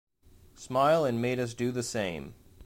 Smile and made us do the same.